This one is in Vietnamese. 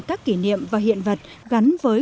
các kỷ niệm và hiện vật gắn với